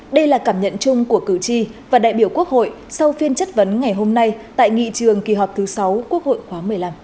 đây là cảm nhận chung của cử tri và đại biểu quốc hội sau phiên chất vấn ngày hôm nay tại nghị trường kỳ họp thứ sáu quốc hội khóa một mươi năm